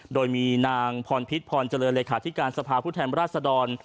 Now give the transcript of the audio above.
โดยมีนางพรพิษพรเจริญเลขาธิการสภาพุทธรรมราชสะดอน